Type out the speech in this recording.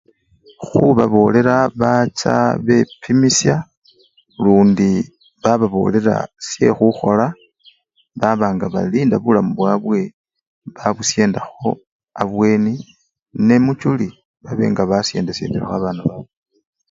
Khubabolela bacha bepimosya lundi bababolela syekhukhola baba nga belinda bulamu bwabwe babusyendakho abweni nemuchuli babe nga basyendeselekho babana babwe.